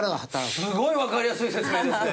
すごいわかりやすい説明ですね！